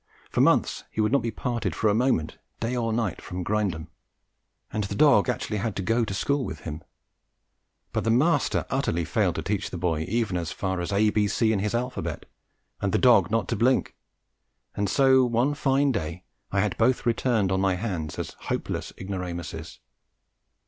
For months he would not be parted for a moment, day or night, from Grindum, and the dog actually had to go to school with him; but the master utterly failed to teach the boy even as far as A B C in his alphabet, and the dog not to blink; and so, one fine day, I had both returned on my hands as hopeless ignoramuses.